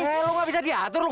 eh lu gak bisa diatur lu